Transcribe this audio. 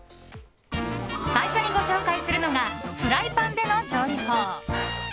最初にご紹介するのはフライパンでの調理法。